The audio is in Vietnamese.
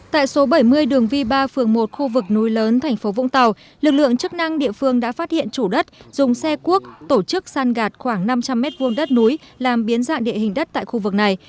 tại số bảy mươi đường v ba phường một khu vực núi lớn thành phố vũng tàu lực lượng chức năng địa phương đã phát hiện chủ đất dùng xe cuốc tổ chức san gạt khoảng năm trăm linh m hai đất núi làm biến dạng địa hình đất tại khu vực này